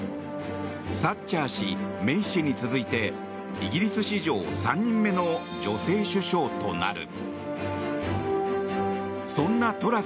サッチャー氏、メイ氏に続いてイギリス史上３人目の女性首相となる。